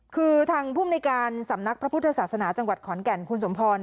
คือทางภูมิในการสำนักพระพุทธศาสนาจังหวัดขอนแก่นคุณสมพร